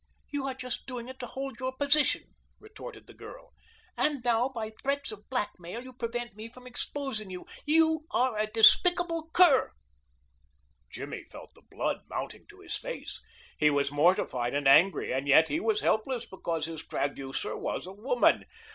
"You are just doing it to hold your position," retorted the girl, "and now, by threats of blackmail you prevent me from exposing you you are a despicable cur." Jimmy felt the blood mounting to his face. He was mortified and angry, and yet he was helpless because his traducer was a woman.